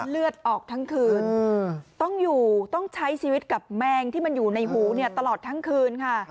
เลือดออกทั้งคืนต้องใช้ชีวิตกับแมงที่มันอยู่ในหูตลอดทั้งคืน